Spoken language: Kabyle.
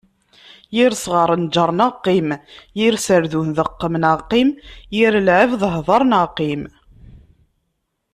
Yir sɣar, njer neɣ qqim. Yir serdun, deqqem neɣ qqim. Yir lɛebd, hder neɣ qqim.